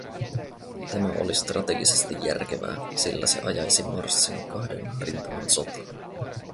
Tämä oli strategisesti järkevää, sillä se ajaisi Marsin kahden rintaman sotaan.